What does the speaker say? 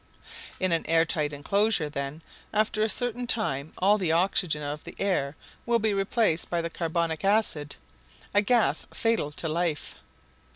In an air tight enclosure, then, after a certain time, all the oxygen of the air will be replaced by the carbonic acid—a gas fatal to life.